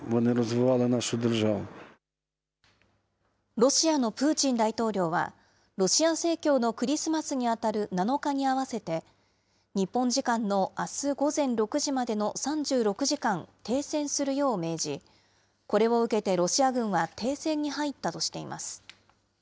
ロシアのプーチン大統領は、ロシア正教のクリスマスに当たる７日に合わせて、日本時間のあす午前６時までの３６時間停戦するよう命じ、これを受けてロシア軍は、停戦に入ったとしています。